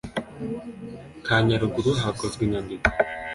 Ka nyaruguru hakozwe inyandiko